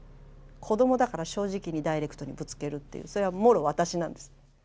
子どもだから正直にダイレクトにぶつけるっていうそれはもろ私なんです。